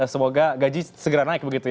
semoga gaji segera naik begitu ya